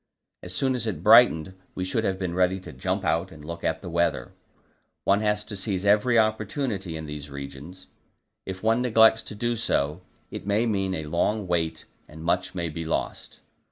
As soon as it brightened, we should have to be ready to jump out and look at the weather; one has to seize every opportunity in these regions. If one neglects to do so, it may mean a long wait and much may be lost.